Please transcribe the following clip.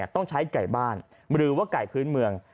ต้องใช้ไก่บ้านหรือว่าไก่พื้นเมือง